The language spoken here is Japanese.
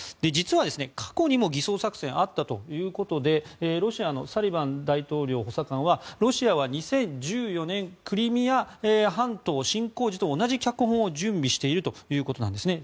実は過去にも偽装作戦があったということでロシアのサリバン大統領補佐官はロシアは２０１４年クリミア半島侵攻時と同じ脚本を準備しているということなんです。